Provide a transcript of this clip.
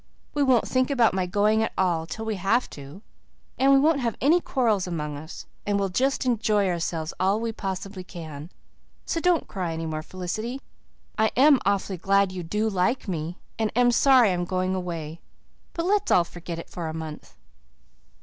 We won't think about my going at all till we have to, and we won't have any quarrels among us, and we'll just enjoy ourselves all we possibly can. So don't cry any more, Felicity. I'm awfully glad you do like me and am sorry I'm going away, but let's all forget it for a month."